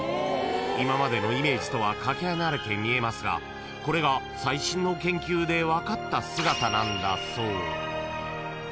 ［今までのイメージとは懸け離れて見えますがこれが最新の研究で分かった姿なんだそう］